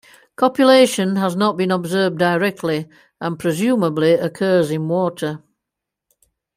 Copulation has not been observed directly and presumably occurs in water.